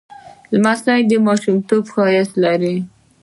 لمسی د ماشومتوب ښایست لري.